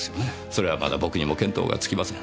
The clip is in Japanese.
それはまだ僕にも見当が付きません。